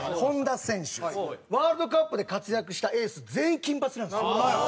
ワールドカップで活躍したエース全員金髪なんですよ。ホンマや。